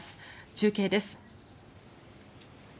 中継です。